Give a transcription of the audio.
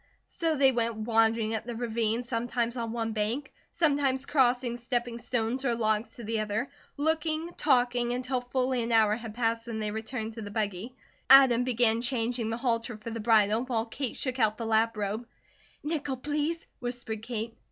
So they went wandering up the ravine, sometimes on one bank, sometimes crossing stepping stones or logs to the other, looking, talking, until a full hour had passed when they returned to the buggy. Adam began changing the halter for the bridle while Kate shook out the lap robe. "Nickel, please," whispered Kate.